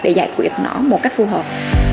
để giải quyết nó một cách phù hợp